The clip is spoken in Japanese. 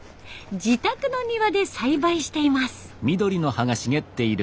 自宅の庭で栽培しています。